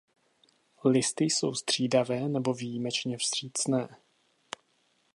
Listy jsou střídavé nebo výjimečně vstřícné.